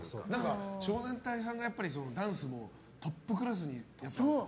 少年隊さんがダンスもトップクラスだったと。